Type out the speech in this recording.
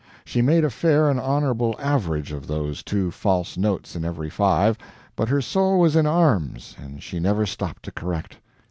She made a fair and honorable average of two false notes in every five, but her soul was in arms and she never stopped to correct.